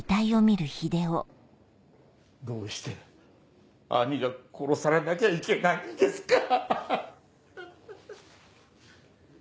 どうして兄が殺されなきゃいけないんですか！